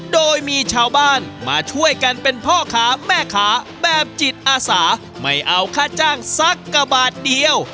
โดยมีชาวบ้านมาช่วยกันเป็นพ่อค้าแม่ค้าแบบจิตอาสาไม่เอาค่าจ้างสักกะบาทเดียว